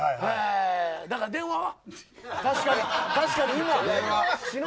だから電話は。